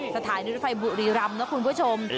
สถานีรถไฟบุรีรำนะคุณผู้ชม